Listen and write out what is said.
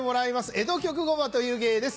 江戸曲独楽という芸です。